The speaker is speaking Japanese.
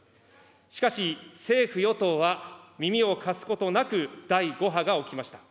しかし、政府・与党は耳を貸すことなく第５波が起きました。